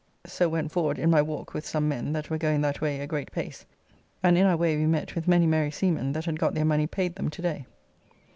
So went forward in my walk with some men that were going that way a great pace, and in our way we met with many merry seamen that had got their money paid them to day.